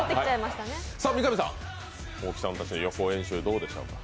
三上さん、大木さんたちの予行演習、どうでしたか？